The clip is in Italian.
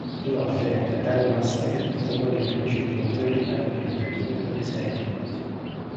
Inoltre l'atala master fu uno dei primi ciclomotori ad avere tachimetro di serie.